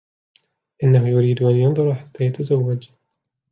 إنهُ يريد أن ينظر حتى يتزوج.